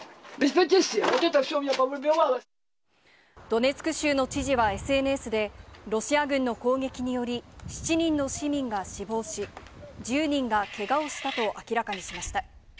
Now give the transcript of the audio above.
ドネツク州の知事はＳＮＳで、ロシア軍の攻撃により７人の市民が死亡し、１０人がけがをしたと明らかにしました。